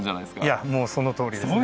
いやもうそのとおりです。